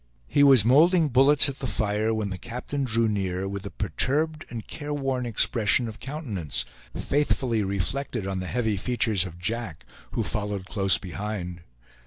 He was molding bullets at the fire, when the captain drew near, with a perturbed and care worn expression of countenance, faithfully reflected on the heavy features of Jack, who followed close behind.